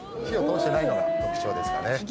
火を通してないのが特徴ですかね。